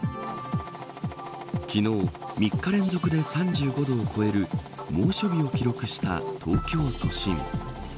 昨日、３日連続で３５度を超える猛暑日を記録した東京都心。